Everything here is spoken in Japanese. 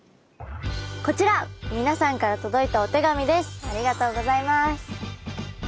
こちら皆さんから届いたお手紙です。